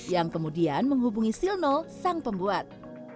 yang kemudian menghubungi silno sang pembuat